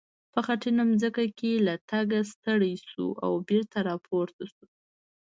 په خټینه ځمکه کې له تګه ستړی شو او بېرته را پورته شو.